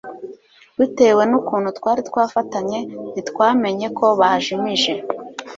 bitewe nukuntu twari twafatanye ntitwamenye ko bajimije